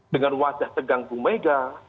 dengan wajah tegang bumega